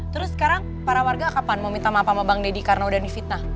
terus sekarang para warga kapan mau minta maaf sama bang deddy karena udah difitnah